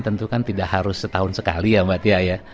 tentu kan tidak harus setahun sekali ya mbak tia ya